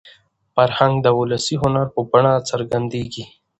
فرهنګ د ولسي هنر په بڼه څرګندېږي.